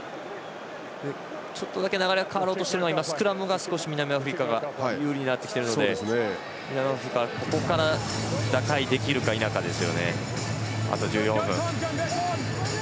ちょっとだけ流れが変わろうとしているのはスクラムが少し南アフリカが有利になってきているので南アフリカはここから打開できるか否かです。